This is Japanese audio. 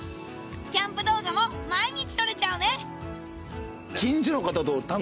キャンプ動画も毎日撮れちゃうね